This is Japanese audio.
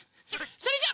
それじゃ。